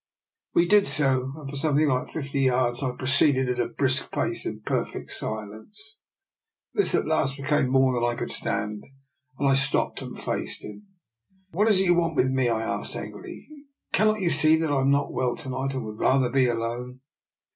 We did so, and for something like fifty yards proceeded at a brisk pace in perfect silence. This at last became more than I could stand, and I stopped and faced him. " What is it you want with me? " I asked angrily. " Cannot you see that I am not well to night, and would rather be alone?